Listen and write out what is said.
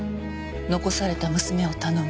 残された娘を頼む」